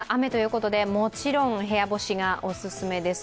明日ですが、雨ということで、もちろん部屋干しがお勧めです。